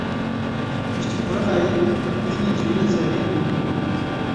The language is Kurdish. Piştî koronayê hînî civînên serhêl bûbû.